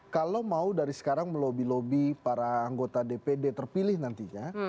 kalau mau dari sekarang melobi lobi para anggota dpd terpilih nantinya